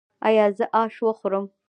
ایا زه اش وخورم؟